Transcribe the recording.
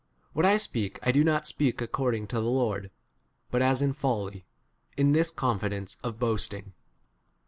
What I speak I do not speak according to [the] Lord, but as in folly, in this 1S confidence of boasting.